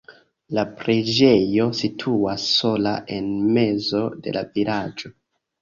La preĝejo situas sola en mezo de la vilaĝo.